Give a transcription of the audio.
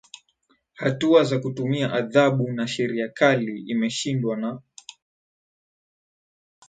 hatua za kutumia adhabu na sheria kali imeshindwa na